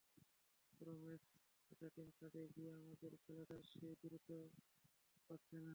পুরো ম্যাচে অ্যাটাকিং থার্ডে গিয়ে আমাদের খেলাটা সেই দ্রুততা পাচ্ছে না।